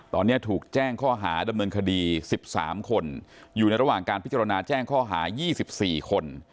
ตอนนี้ถูกแจ้งข้อหาดำเนินคดี๑๓คนอยู่ในระหว่างการพิจารณาแจ้งข้อหา๒๔คน